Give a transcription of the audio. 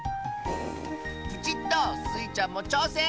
プチッとスイちゃんもちょうせん！